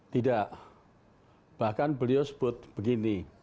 tidak bahkan beliau sebut begini